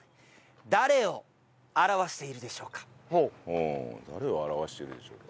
おお誰を表しているでしょうか？